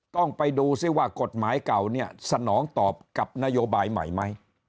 ต้องไปดูซิว่ากฎหมายเก่าเนี่ยสนองตอบกับนโยบายใหม่ไหม